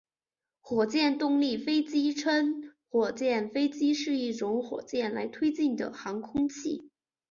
火箭动力飞机或称作火箭飞机是一种使用火箭来推进的航空器。